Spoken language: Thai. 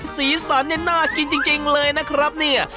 สีสันเนี่ยน่ากินจริงเลยนะครับเนี่ย